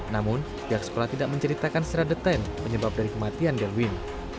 namun pihak sekolah tidak menceritakan secara detail penyebab dari kematian delwin